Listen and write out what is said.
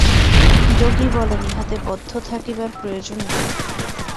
যোগী বলেন, ইহাতে বদ্ধ থাকিবার প্রয়োজন নাই।